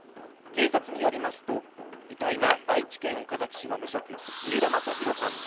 警察によりますと、遺体は愛知県岡崎市の無職、三浦正裕さん